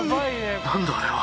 何だあれは。